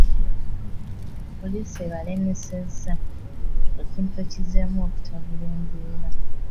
Poliisi ebalemesezza, ekintu ekizzeemu okutabula embeera.